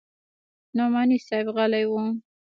نعماني صاحب غلى و.